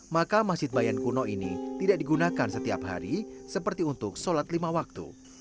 maka masjid bayan kuno ini tidak digunakan setiap hari seperti untuk sholat lima waktu